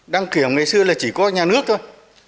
đăng kiểm ngày xưa là chỉ có nhà nước thôi